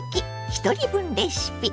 ひとり分レシピ」。